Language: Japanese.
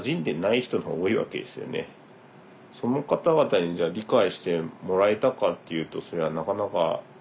その方々にじゃあ理解してもらえたかっていうとそれはなかなか。